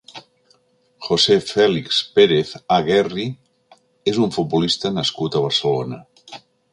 José Félix Pérez Aguerri és un futbolista nascut a Barcelona.